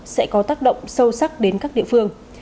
sẽ có tác động sâu sắc đến các địa phương